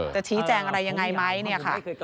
จะชี้แจงอะไรยังไงไหมเนี่ยค่ะ